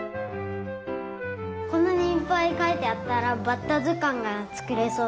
こんなにいっぱいかいてあったらバッタずかんがつくれそう。